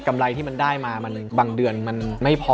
ไรที่มันได้มาบางเดือนมันไม่พอ